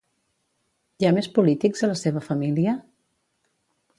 Hi ha més polítics a la seva família?